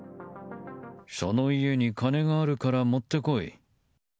その家に金があるから持って来い。